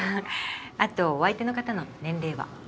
あとお相手の方の年齢は？